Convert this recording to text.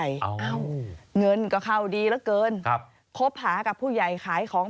คนก็ทำแบบเสียง